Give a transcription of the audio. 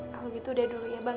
kalau gitu udah dulu ya bang